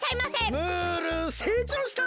ムールせいちょうしたな！